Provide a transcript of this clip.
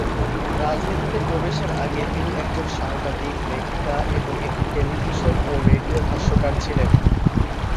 রাজনীতিতে প্রবেশের আগে, তিনি একজন সাংবাদিক, লেখিকা এবং একটি টেলিভিশন ও রেডিও ভাষ্যকার ছিলেন।